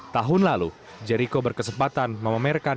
tahun lalu jeriko berkesempatan memamerkan